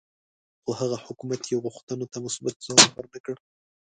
خو هغه حکومت یې غوښتنو ته مثبت ځواب ورنه کړ.